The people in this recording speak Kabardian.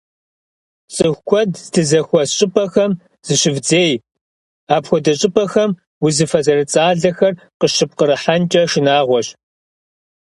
ЦӀыху куэд здызэхуэс щӀыпӀэхэм зыщывдзей, апхуэдэ щӀыпӀэхэм узыфэ зэрыцӏалэхэр къыщыппкъырыхьэнкӏэ шынагъуэщ.